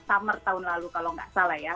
itu udah summer tahun lalu kalau gak salah ya